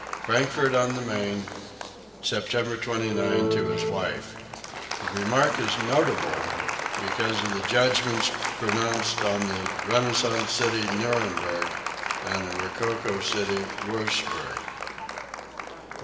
(Frankfort on the Main, September 29, 1790, to his wife. The remark is notable because of the judgments pronounced on the renaissance city Nuremberg, and the rococo city Wurzburg.) 184.